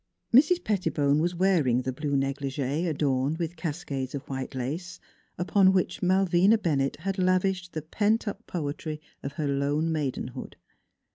Mrs. Pettibone was wearing the blue negligee adorned with cascades of white lace, upon which Malvina Bennett had lavished the pent up poetry of her lone maidenhood.